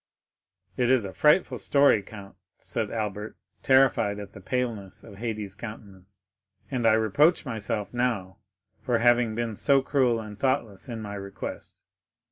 "It is a frightful story, count," said Albert, terrified at the paleness of Haydée's countenance, "and I reproach myself now for having been so cruel and thoughtless in my request."